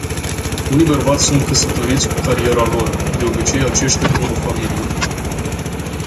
Unii bărbați sunt căsătoriți cu cariera lor. De obicei aceștia nu au familie.